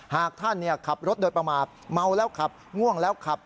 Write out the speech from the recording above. หากท่านขับรถโดยประมาทเมาแล้วขับง่วงแล้วขับ